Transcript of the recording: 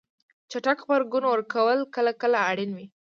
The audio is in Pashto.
چټک غبرګون ورکول کله کله اړین وي.